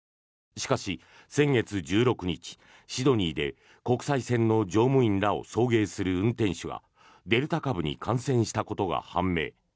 しかし、先月１６日シドニーで国際線の乗務員らを送迎する運転手がデルタ株に感染したことが判明。